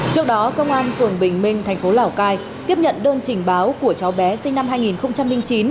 trước đó công an phường bình minh thành phố lào cai tiếp nhận đơn trình báo của cháu bé sinh năm hai nghìn chín